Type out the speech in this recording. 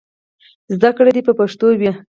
زدهکړې دې په پښتو وي.